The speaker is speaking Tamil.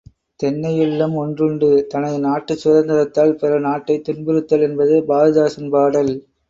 தென்னையுள்ளம் ஒன்றுண்டு தனது நாட்டுச் சுதந்தரத்தால் பிறர் நாட்டைத் துன்புறுத்தல் என்பது பாரதிதாசன் பாடல்.